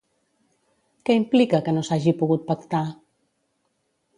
Què implica que no s'hagi pogut pactar?